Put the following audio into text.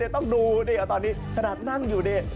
เดี๋ยวต้องดูตอนนี้ขนาดนั่งอยู่เนี่ย